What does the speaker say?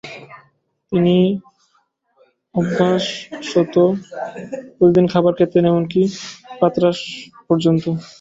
তিনি অভ্যাসবশত প্রতিদিন খাবার খেতেন, এমনকি প্রাতরাশ পর্যন্ত।